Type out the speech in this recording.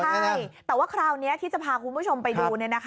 ใช่แต่ว่าคราวนี้ที่จะพาคุณผู้ชมไปดู